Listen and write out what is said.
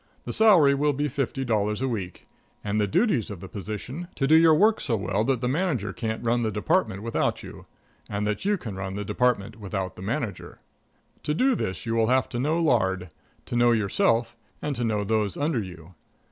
The salary will be fifty dollars a week, and the duties of the position to do your work so well that the manager can't run the department without you, and that you can run the department without the manager. To do this you will have to know lard; to know yourself; and to know those under you.